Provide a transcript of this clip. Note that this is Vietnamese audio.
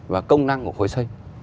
và công năng của khối xây